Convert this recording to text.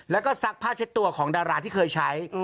แล้วก็ซักผ้าเช็ดตัวของดาราที่เคยใช้